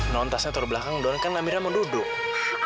nontasnya terbelakang doang kan amira mau duduk